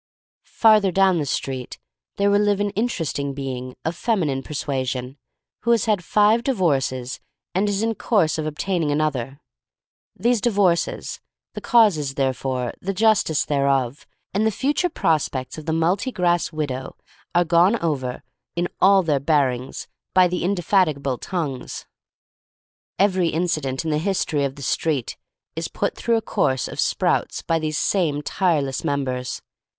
Farther down the street there will live an interesting being of femi nine persuasion who has had five divorces and is in course of obtaining another. These divorces, the causes therefor, the justice thereof, and the future prospects of the multi grass widow, are gone over, in all their bear ings, by the indefatigable tongues. THE STORY OF MARY MAC LANE IIQ Every incident in the history of the street is put through a course of sprouts by these same tireless mem bers.